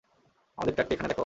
আমাদের ট্রাকটি এখানে দেখো?